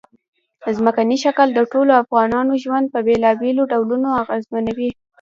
ځمکنی شکل د ټولو افغانانو ژوند په بېلابېلو ډولونو اغېزمنوي.